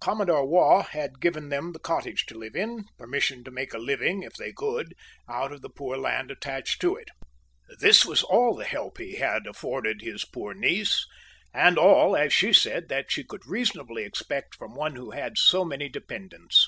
Commodore Waugh had given them the cottage to live in, permission to make a living, if they could, out of the poor land attached to it. This was all the help he had afforded his poor niece, and all, as she said, that she could reasonably expect from one who had so many dependents.